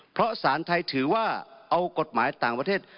เพราะสารไทยถือว่าเอากฎหมายต่างประเทศ